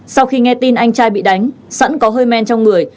sau khi nghe tin anh trai bị đánh sẵn có hơi men trong người